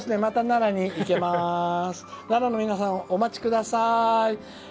奈良の皆さん、お待ちください。